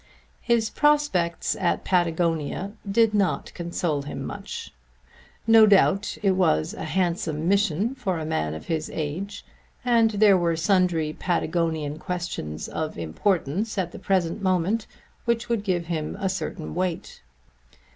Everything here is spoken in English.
His prospects at Patagonia did not console him much. No doubt it was a handsome mission for a man of his age and there were sundry Patagonian questions of importance at the present moment which would give him a certain weight.